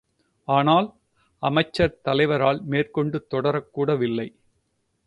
ஆனால்...? அமைச்சர் தலைவரால், மேற்கொண்டு தொடரக் கூடவில்லை.